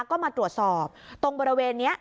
ก็มาตรวจสอบตรงบริเวณนี้